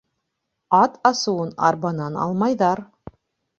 Ат асыуын арбанан алмайҙар.